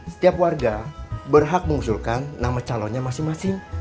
setiap warga berhak mengusulkan nama calonnya masing masing